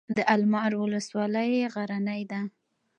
د المار ولسوالۍ غرنۍ ده